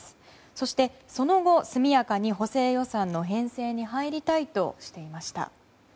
そしてその後、速やかに補正予算の編成に入りたいとしていました。